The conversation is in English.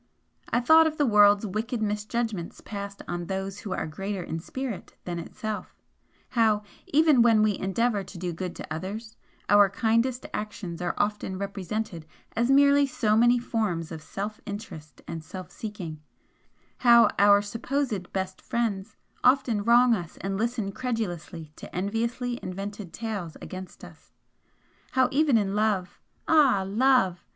I thought of the world's wicked misjudgments passed on those who are greater in spirit than itself, how, even when we endeavour to do good to others, our kindest actions are often represented as merely so many forms of self interest and self seeking, how our supposed 'best' friends often wrong us and listen credulously to enviously invented tales against us, how even in Love ah! Love!